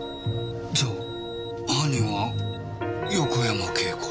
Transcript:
じゃあ犯人は横山慶子。